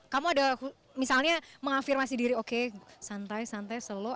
kamu ada misalnya mengafirmasi diri oke santai santai slo